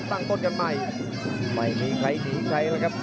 ตั้งต้นกันใหม่ไม่มีใครหนีใครแล้วครับ